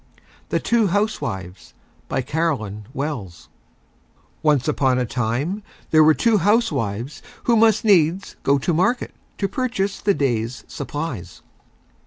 THE TWO HOUSEWIVES BY CAROLYN WELLS Once on a Time there were Two Housewives who must Needs go to Market to purchase the Day's Supplies.